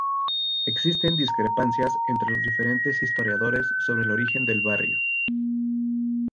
Existen discrepancias entre los diferentes historiadores sobre el origen del barrio.